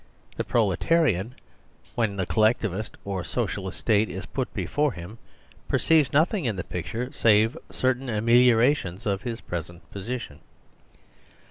The proletarian, when the Collectivist (or Socialist) State is put before him, per ceives nothing in the picture save certain ameliora tions of his present position.